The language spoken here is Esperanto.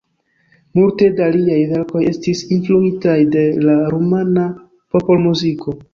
Multe da liaj verkoj estis influitaj de la rumana popolmuziko.